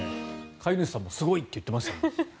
飼い主さんもすごい！って言ってました。